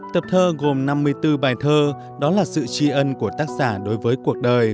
tập thơ gồm năm mươi bốn bài thơ đó là sự tri ân của tác giả đối với cuộc đời